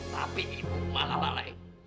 tapi ibu malah lalai